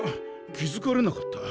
気づかれなかった。